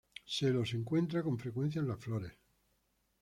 Se los encuentra con frecuencia en las flores.